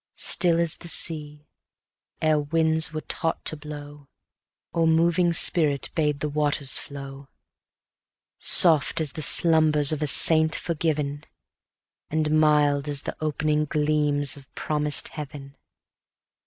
Still as the sea, ere winds were taught to blow, Or moving spirit bade the waters flow; Soft as the slumbers of a saint forgiven, And mild as opening gleams of promised heaven.